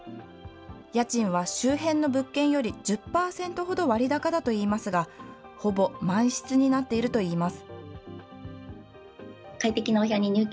家賃は周辺の物件より１０％ほど割高だといいますが、ほぼ満室になっているといいます。